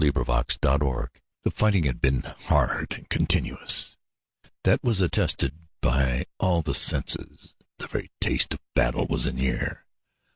THE COUP DE GRÂCE The fighting had been hard and continuous; that was attested by all the senses. The very taste of battle was in the air.